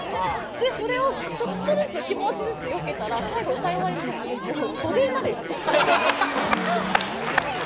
それをちょっとずつ気持ち、よけたら最後、歌い終わりの時袖まで行っちゃって。